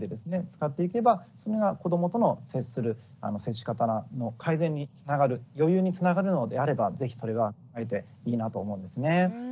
使っていけばそれが子どもとの接する接し方の改善につながる余裕につながるのであればぜひそれがあえていいなと思うんですね。